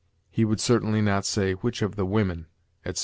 He would certainly not say, 'Which of the women,' etc.